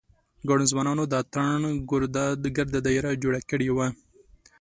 ګڼو ځوانانو د اتڼ ګرده داېره جوړه کړې وه.